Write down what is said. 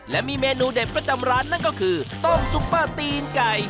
และมีเมนูเด็ดประจำร้านนั่นก็คือต้มซุปเปอร์ตีนไก่